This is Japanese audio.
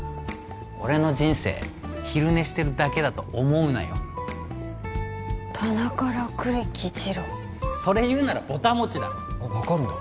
俺の人生昼寝してるだけだと思うなよ棚から栗木次郎それ言うならぼたもちだろあっ分かるんだ